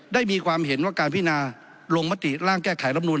มีความเห็นว่าการพินาลงมติร่างแก้ไขรำนูน